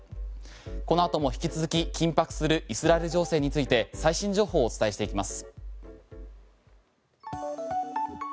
この後も引き続き、緊迫するイスラエル情勢について最新情報をお伝えしていきます。